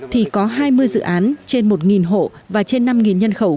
thì có hai mươi dự án trên một hộ và trên năm nhân khẩu